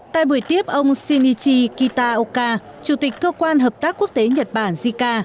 tại buổi tiếp ông shinichi kitaoka chủ tịch cơ quan hợp tác quốc tế nhật bản jica